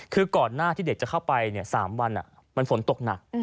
คือก่อนหน้าที่เด็กจะเข้าไป๓วันมันฝนตกหนัก